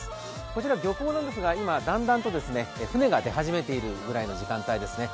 こちら漁港なんですが、今、だんだんと船が出始めているくらいの時間帯ですね。